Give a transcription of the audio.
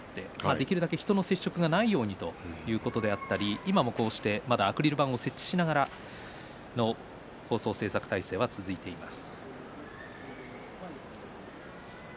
できるだけ人との接触がないようにということで今もこうしてアクリル板を設置しての放送を制作体制が続いています。